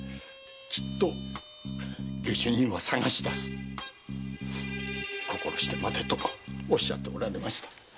「きっと下手人は捜し出す」「心して待て」とおっしゃっておられました。